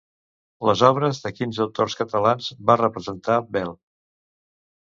Les obres de quins autors catalans va representar Bel?